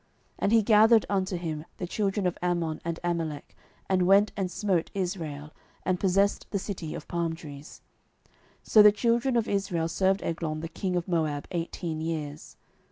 07:003:013 And he gathered unto him the children of Ammon and Amalek, and went and smote Israel, and possessed the city of palm trees. 07:003:014 So the children of Israel served Eglon the king of Moab eighteen years.